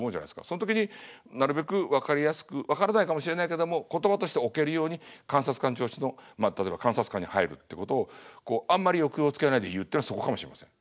そん時になるべく分かりやすく分からないかもしれないけども言葉として置けるように「監察官聴取の監察官に入る」ってことをあんまり抑揚をつけないで言うってのはそこかもしれません。